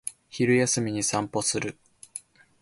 昼休みに散歩する